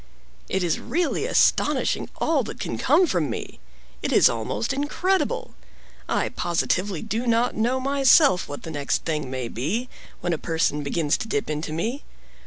"It is really astonishing all that can come from me! It is almost incredible! I positively do not know myself what the next thing may be, when a person begins to dip into me.